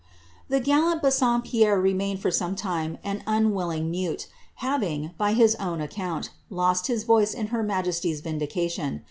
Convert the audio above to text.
The gallant Bassompierre remained for some time an unwilling mote, having, by his own account, lost his voice in her majesty's vindication.'